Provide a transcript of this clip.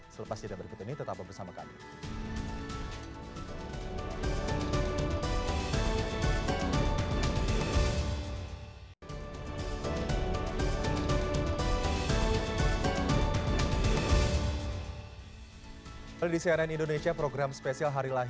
selepas jadwal berikut ini tetap bersama kami